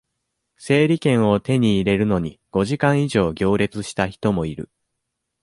整理券を手に入れるのに、五時間以上行列した人もいる。